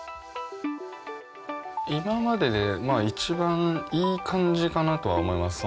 今までで一番いい感じかなとは思います。